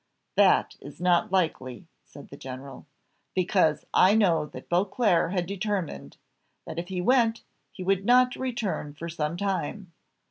"That is not likely," said the general, "because I know that Beauclerc had determined, that if he went he would not return for some time.